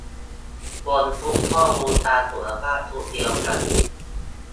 บนชุดข้อมูลทางสุขภาพชุดเดียวกัน